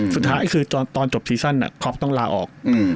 สุดท้ายคือตอนจบซีซั่นค็อปต้องลาออก